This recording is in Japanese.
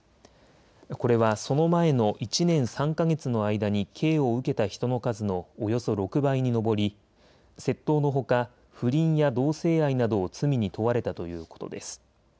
これはその前の１年３か月の間に刑を受けた人の数のおよそ６倍に上り窃盗のほか不倫や同性愛などを罪に問われたということです。